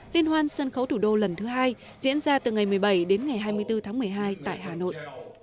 liên hoan sân khấu thủ đô lần thứ hai diễn ra từ ngày một mươi bảy đến ngày hai mươi bốn tháng một mươi hai tại hà nội